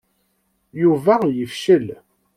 Yuba yefcel.